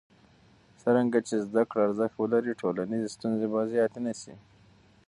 څرنګه چې زده کړه ارزښت ولري، ټولنیزې ستونزې به زیاتې نه شي.